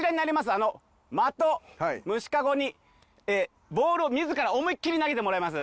あの的虫カゴにボールを自ら思いっきり投げてもらいます。